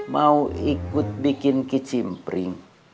mau ikut bikin kicimpring